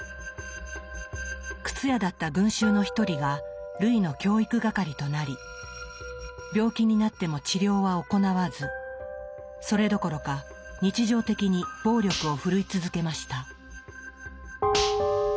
靴屋だった群衆の一人がルイの教育係となり病気になっても治療は行わずそれどころか日常的に暴力を振るい続けました。